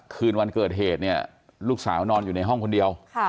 คืนวันเกิดเหตุเนี่ยลูกสาวนอนอยู่ในห้องคนเดียว